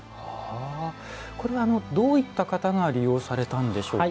これはどういった方が利用されたんでしょうか。